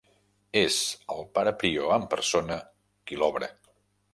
És el pare prior en persona qui l'obre.